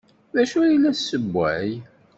D acu ay la tessewway?